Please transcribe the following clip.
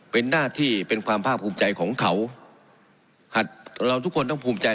เป็นหน้าที่เป็นความภาคภูมิใจของเขาหัดเราทุกคนต้องภูมิใจ